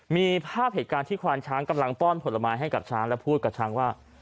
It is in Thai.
มีภาพเหตุการณ์ที่ควานช้างกำลังป้อนผลไม้ให้กับช้างและพูดกับช้างว่า